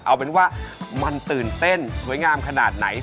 เอาเป็นว่ามันตื่นเต้นสวยงามขนาดไหน